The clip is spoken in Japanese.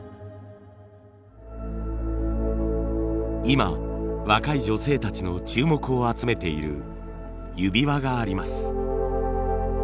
今若い女性たちの注目を集めている指輪があります。